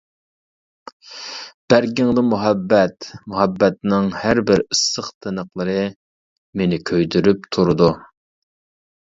بەرگىڭدە مۇھەببەت، مۇھەببەتنىڭ ھەربىر ئىسسىق تىنىقلىرى مېنى كۆيدۈرۈپ تۇرىدۇ.